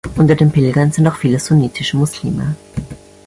Unter den Pilgern sind auch viele sunnitische Muslime.